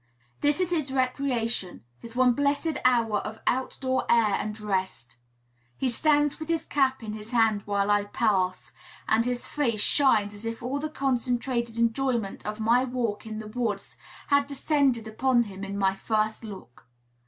This is his recreation, his one blessed hour of out door air and rest. He stands with his cap in his hand while I pass, and his face shines as if all the concentrated enjoyment of my walk in the woods had descended upon him in my first look.